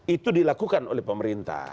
itu dilakukan oleh pemerintah